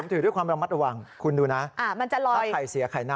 ถือด้วยความระมัดระวังคุณดูนะมันจะร้อนถ้าไข่เสียไข่หน้า